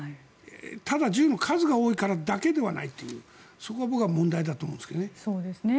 ただ、銃の数が多いからだけではないというそこは僕は問題だと思いますね。